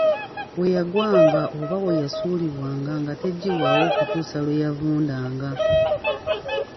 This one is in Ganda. We yagwanga oba we yasuulibwanga nga teggibwawo okutuusa lwe yavundanga.